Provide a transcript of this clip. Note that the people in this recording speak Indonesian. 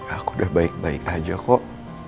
aku udah baik baik aja kok